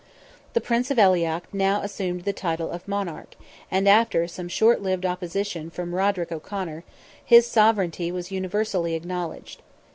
The Prince of Aileach now assumed the title of Monarch, and after some short lived opposition from Roderick O'Conor, his sovereignty was universally acknowledged.